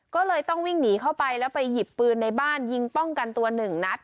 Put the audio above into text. ก็เลยต้องวิ่งหนีเข้าไปแล้วไปหยิบปืนในบ้านยิงป้องกันตัวหนึ่งนัด